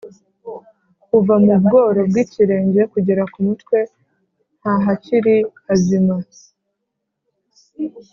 Kuva mu bworo bw’ikirenge kugera ku mutwe, nta hakiri hazima: